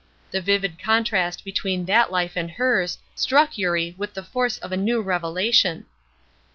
The vivid contrast between that life and hers struck Eurie with the force of a new revelation.